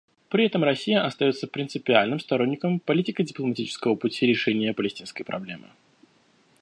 При этом Россия остается принципиальным сторонником политико-дипломатического пути решения палестинской проблемы.